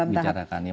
atau masih dalam tahap